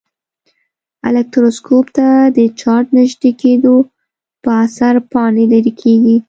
الکتروسکوپ ته د چارج نژدې کېدو په اثر پاڼې لیري کیږي.